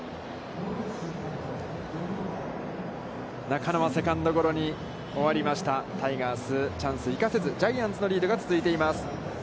中野はセカンドゴロに終わりました、タイガース、チャンス生かせず、ジャイアンツのリードが続いています。